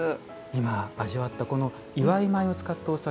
今味わったこの祝米を使ったお酒。